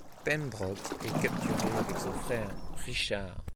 Pembroke est capturé avec son frère, Richard.